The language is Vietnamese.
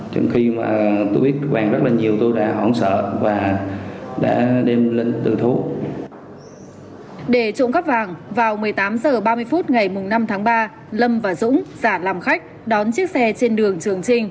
để trộm cắp vàng vào một mươi tám h ba mươi phút ngày năm tháng ba lâm và dũng giả làm khách đón chiếc xe trên đường trường trinh